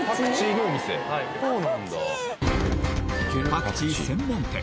パクチーのお店？